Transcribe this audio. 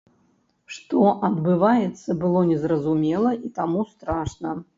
Што адбываецца, было незразумела і таму страшна.